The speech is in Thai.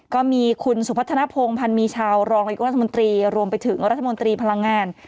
ก็มีคุณสุพัฒนภงพันธ์มีชาวรองนายกรัฐมนตรีรวมไปถึงรัฐมนตรีพลังงาน